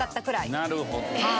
なるほど。